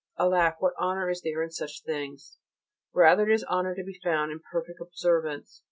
Alack! what honour is there in such things? Rather is honour to be found in perfect observance.